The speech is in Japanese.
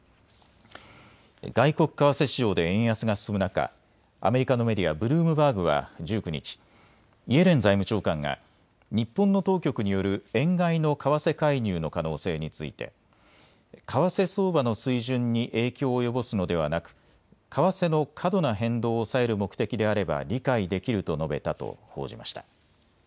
外国為替市場で円安が進む中、アメリカのメディア、ブルームバーグは１９日、イエレン財務長官が日本の当局による円買いの為替介入の可能性について為替相場の水準に影響を及ぼすのではなく為替の過度な変動を抑える目的であれば理解できると述べたと報じました。